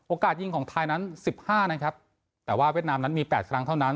ยิงของไทยนั้นสิบห้านะครับแต่ว่าเวียดนามนั้นมี๘ครั้งเท่านั้น